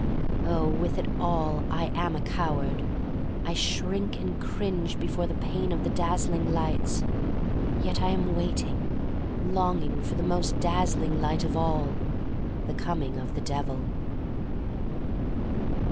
Oh, with it all, I am a coward! I shrink and cringe before the pain of the dazzling lights. Yet I am waiting — longing for the most dazzling light of all: the coming of the Devil.